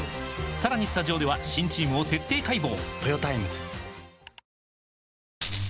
さらにスタジオでは新チームを徹底解剖！